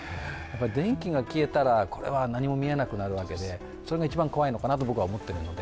電気が消えたら何も見えなくなるわけで、それが一番怖いのかなと僕は思っているので。